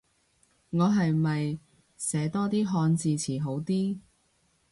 我係咪寫多啲漢字詞好啲